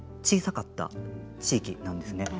小さかった地域なんです。